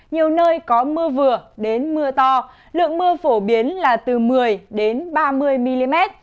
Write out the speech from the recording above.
nhiều nơi có mưa vừa đến mưa to lượng mưa phổ biến là từ một mươi ba mươi mm